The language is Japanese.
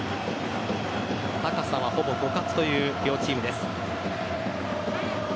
高さはほぼ互角という両チームです。